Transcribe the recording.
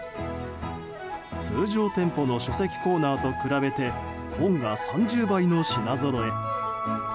通常店舗の書籍コーナーと比べて本が３０倍の品ぞろえ。